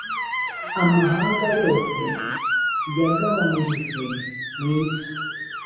amahanga yose yagabanirijwe mu isi